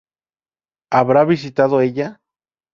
?Habrá visitado ella?